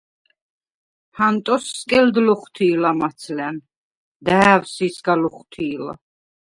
ჰანტოს სკელდ ლოხვთი̄ლა მაცლა̈ნ. და̄̈ვსი̄ სგა ლოხვთი̄ლა.